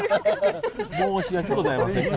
申し訳ございません。